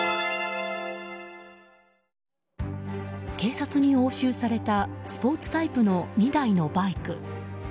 警察に押収されたスポーツタイプの２台のバイク。